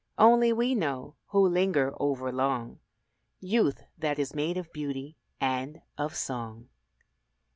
Only we know, who linger overlong Youth that is made of beauty and of song.